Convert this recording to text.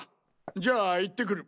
じゃあいってくる。